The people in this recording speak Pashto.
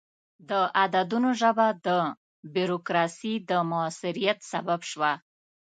د عددونو ژبه د بروکراسي د موثریت سبب شوه.